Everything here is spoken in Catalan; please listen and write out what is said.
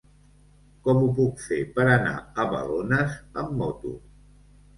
Com ho puc fer per anar a Balones amb moto?